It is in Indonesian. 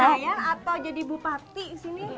mau maju lagi ke senayan atau jadi bupati di sini